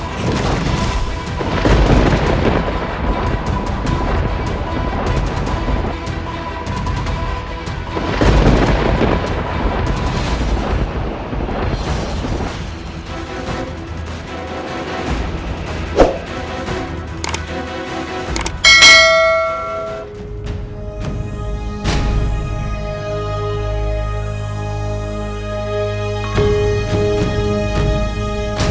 selamat berjaya di samudera